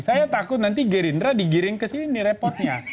saya takut nanti gerindra digiring kesini repotnya